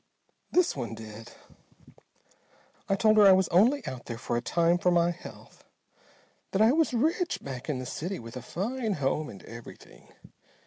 "This one did. I told her I was only out there for a time for my health. That I was rich back in the city, with a fine home and everything.